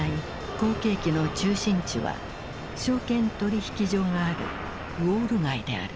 好景気の中心地は証券取引所があるウォール街である。